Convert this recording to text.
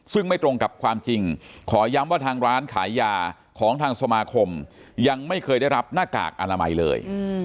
ซึ่งไม่ตรงกับความจริงขอย้ำว่าทางร้านขายยาของทางสมาคมยังไม่เคยได้รับหน้ากากอนามัยเลย